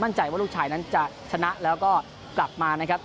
มั่นใจว่าลูกชายนั้นจะชนะแล้วก็กลับมานะครับ